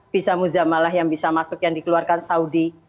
visa muzamalah yang bisa masuk yang dikeluarkan saudi